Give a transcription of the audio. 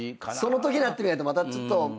そのときになってみないとまたちょっと。